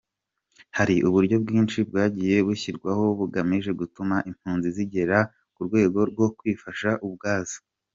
Hari uburyo bwinshi bwagiye bushyirwaho bugamije gutuma impunzi zigera ku rwego rwo kwifasha ubwazo.